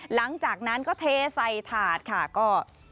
หลังจากนั้นก็เทใส่ถาดค่ะก็